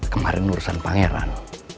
kemarin urusan pangeran